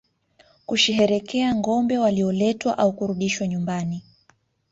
Kusherehekea ngombe walioletwa au kurudishwa nyumbani